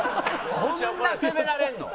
こんな責められるの？